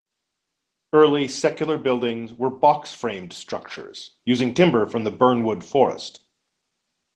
Early secular buildings were box framed structures, using timber from the Bernwood Forest.